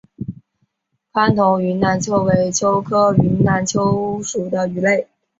宽头云南鳅为鳅科云南鳅属的鱼类。